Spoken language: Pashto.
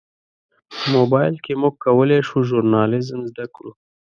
موبایل کې موږ کولی شو ژورنالیزم زده کړو.